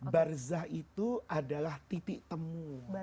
barzah itu adalah titik temu